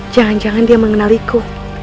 jangan jangan dia mengenaliku